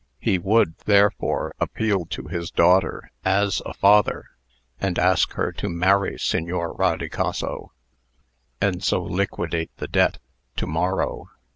He would, therefore, appeal to his daughter, as a father, and ask her to marry Signor Rodicaso, and so liquidate the debt, to morrow.